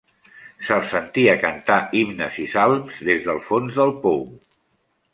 Se'ls sentia cantar himnes i salms des del fons del pou.